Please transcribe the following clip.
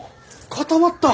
固まった！